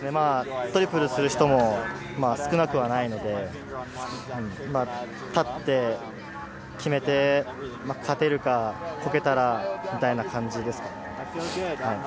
トリプルをする人も少なくはないので立って、決めて、勝てるか、こけたらみたいな感じです。